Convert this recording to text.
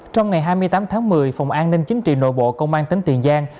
trong ngày hai mươi tám tháng một mươi phòng an ninh chính trị nội bộ công an tỉnh tiền giang